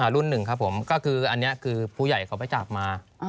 รุ่นหนึ่งครับผมก็คืออันนี้คือผู้ใหญ่เขาไปจับมา